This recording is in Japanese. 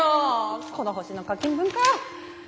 この星の課金文化！